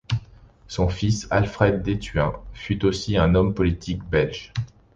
Son fils Alfred Dethuin, fut aussi un homme politique belge.